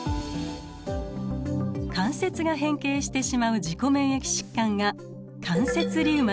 関節が変形してしまう自己免疫疾患が関節リウマチです。